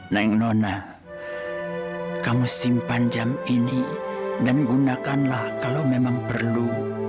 naing nona kamu simpan jam ini dan gunakanlah kalau memang perlu